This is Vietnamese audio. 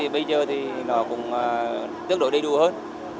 và tương đối đầy đủ hơn